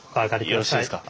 よろしいですか？